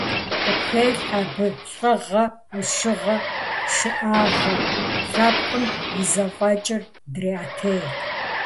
Къыпхелъхьэ абы лӏыгъэ, ӏущыгъэ, шыӏагъэ, лъэпкъым и зэфӏэкӏыр дреӏэтей.